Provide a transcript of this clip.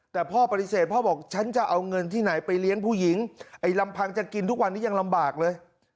แต่พ่อปฏิเสธพ่อบอกฉันจะเอาเงินที่ไหนไปเลี้ยงผู้หญิงไอ้ลำพังจะกินทุกวันนี้ยังลำบากเลย